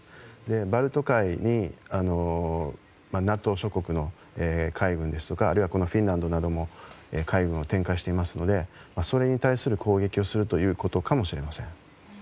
バルト海にＮＡＴＯ諸国の海軍ですとかあるいはフィンランドなども海軍を展開していますのでそれに対する攻撃をするということかもしれません。